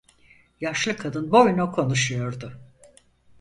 Yaşlı kadın boyuna konuşuyordu.